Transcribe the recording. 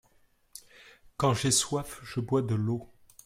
quand j'ai soif je bois de l'eau.